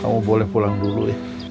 kamu boleh pulang dulu ya